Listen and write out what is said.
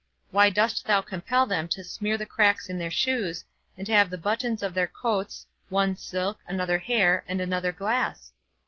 Why dost thou compel them to smear the cracks in their shoes, and to have the buttons of their coats, one silk, another hair, and another glass?